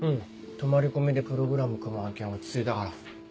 泊まり込みでプログラム組む案件落ち着いたから。